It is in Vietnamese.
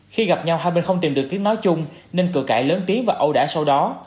khi gặp nhau hai bên không tìm được tiếng nói chung nên cửa cãi lớn tiếng và ẩu đả sau đó